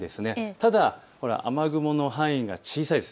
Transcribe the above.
ただ雨雲の範囲が小さいです。